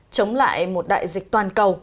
chống lại một đại dịch toàn cầu